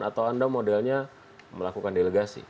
sebenarnya melakukan delegasi